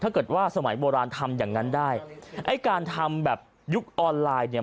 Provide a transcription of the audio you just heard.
ถ้าเกิดว่าสมัยโบราณทำอย่างนั้นได้ไอ้การทำแบบยุคออนไลน์เนี่ย